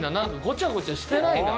ごちゃごちゃしてないな。